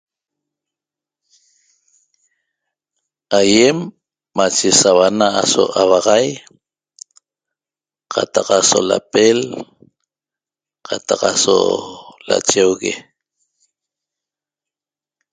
Aýem mashe sauana aso 'auaxai qataq aso lapel qataq aso lacheugue